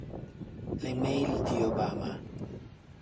Le mail di Obama.